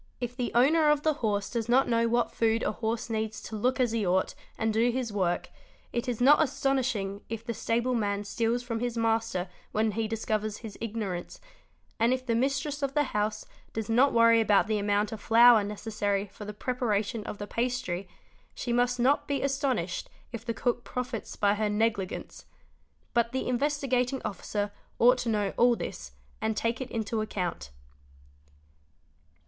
If the owner of the horse does not know what food a horse needs to look as he ought and do his work, it is not astonishing if the stable man steals from his master when he discovers his ignorance ; and if the mis tress of the house does not worry about the amount of flour necessary for the preparation of the pastry, she must not be astonished if the cook profits by her negligence; but the Investigating Officer ought to know all this and take it into account.